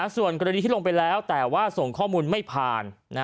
ส่วนกรณีที่ลงไปแล้วแต่ว่าส่งข้อมูลไม่ผ่าน